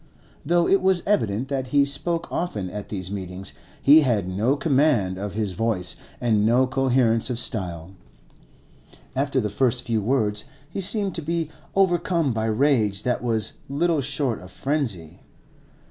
Though it was evident that he spoke often at these meetings, he had no command of his voice and no coherence of style; after the first few words he seemed to be overcome by rage that was little short of frenzy.